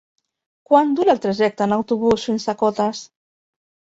Quant dura el trajecte en autobús fins a Cotes?